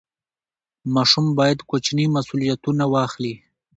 ماشوم باید کوچني مسوولیتونه واخلي.